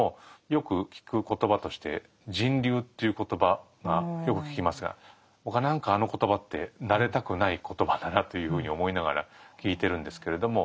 よく聞く言葉として「人流」という言葉がよく聞きますが僕は何かあの言葉って慣れたくない言葉だなというふうに思いながら聞いてるんですけれども。